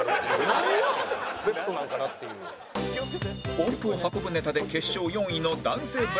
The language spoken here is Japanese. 音符を運ぶネタで決勝４位の男性ブランコ